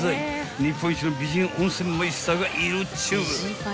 ［日本一の美人温泉マイスターがいるっちゅう］